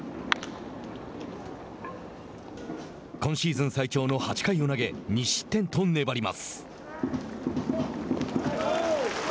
今シーズン最長の８回を投げ２失点と粘ります。